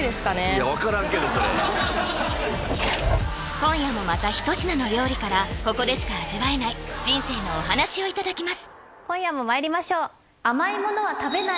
いや分からんけどそれ今夜もまた一品の料理からここでしか味わえない人生のお話をいただきます